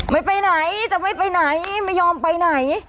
ไม่ไปไหนจะไม่ไปไหนไม่ยอมไปไหน